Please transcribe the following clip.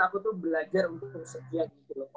aku tuh belajar untuk bersedia gitu loh